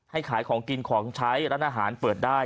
ขายของกินของใช้ร้านอาหารเปิดได้